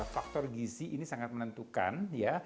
faktor gizi ini sangat menentukan ya